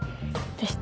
どうした？